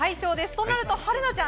となると春奈ちゃん